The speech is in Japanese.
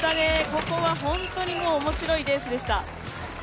ここは本当に面白いレースでした。